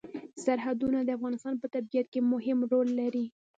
سرحدونه د افغانستان په طبیعت کې مهم رول لري.